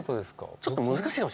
ちょっと難しいかも。